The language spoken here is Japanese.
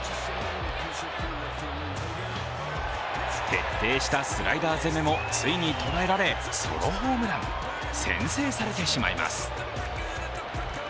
徹底したスライダー攻めもついに捉えられ、ソロホームラン、先制されてしまいます。